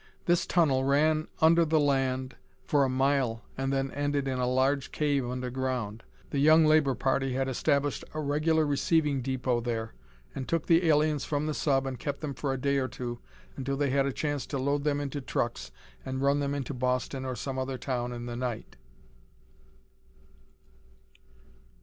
This tunnel ran under the land for a mile and then ended in a large cave underground. The Young Labor party had established a regular receiving depot there, and took the aliens from the sub and kept them for a day or two until they had a chance to load them into trucks and run them into Boston or some other town in the night.